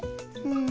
うん。